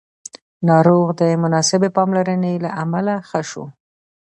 ناروغ د مناسبې پاملرنې له امله ښه شو